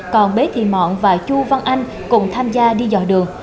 còn bế thị mọn và chu văn anh cùng tham gia đi dò đường